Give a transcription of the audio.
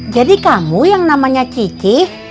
jadi kamu yang namanya cicih